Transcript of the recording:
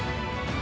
あ！